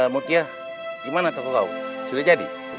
mokya gimana toko kau sudah jadi